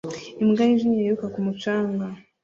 Imbwa yijimye yiruka ku mucanga